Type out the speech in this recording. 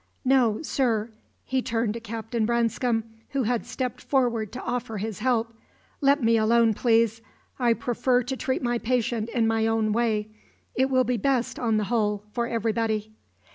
"No, sir," he turned to Captain Branscome, who had stepped forward to offer his help "let me alone, please. I prefer to treat my patient in my own way. It will be best, on the whole, for everybody."